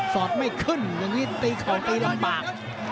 อดไม่ขึ้นอย่างนี้ตีเข่าตีลำบาก